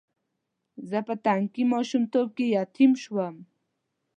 زه په تنکي ماشومتوب کې یتیم شوم.